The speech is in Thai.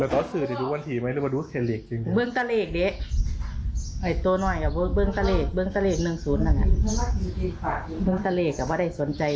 เดี๋ยวพวกแกก็เชือกว่ารถใบหนูก็อะไรไหม